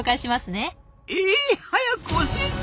え早く教えて！